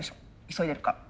急いでるから。